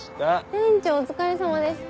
店長お疲れさまです。